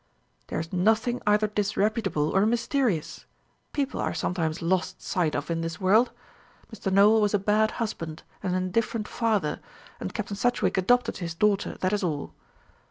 "There is nothing either disreputable or mysterious. People are sometimes lost sight of in this world. Mr. Nowell was a bad husband and an indifferent father, and Captain Sedgewick adopted his daughter; that is all."